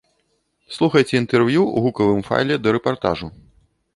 Слухайце інтэрв'ю ў гукавым файле да рэпартажу.